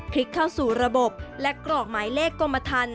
เข้าสู่ระบบและกรอกหมายเลขกรมทัน